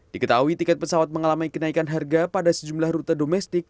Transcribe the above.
diketahui tiket pesawat mengalami kenaikan harga pada sejumlah rute domestik